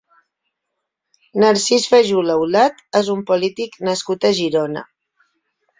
Narcís Fajula Aulet és un polític nascut a Girona.